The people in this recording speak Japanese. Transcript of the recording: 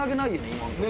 今のとこ。